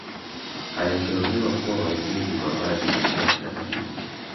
Aliteuliwa kuwa Waziri wa Maji Nishati na Madini